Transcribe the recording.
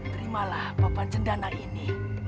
terimalah papan cendana ini